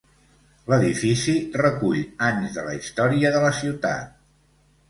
L'edifici recull anys de la història de la ciutat.